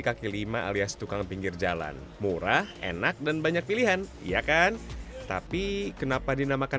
kaki lima alias tukang pinggir jalan murah enak dan banyak pilihan iya kan tapi kenapa dinamakan